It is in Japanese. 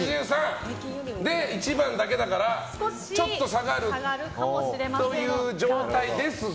１番だけだからちょっと下がるという状態ですが。